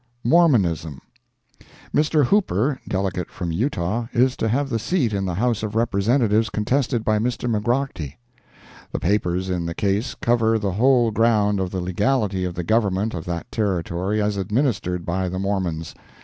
MORMONISM. Mr. Hooper, delegate from Utah, is to have the seat in the House of Representatives contested by Mr. McGrorty. The papers in the case cover the whole ground of the legality of the government of that Territory as administered by the Mormons.